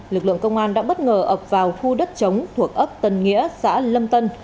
lực lượng công an đã bất ngờ ập vào khu đất chống thuộc ấp tân nghĩa xã lâm tân